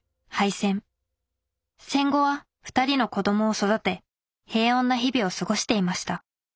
戦後は２人の子供を育て平穏な日々を過ごしていました。